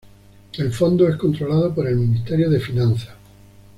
El fondo es controlado por el Ministerio de Finanzas.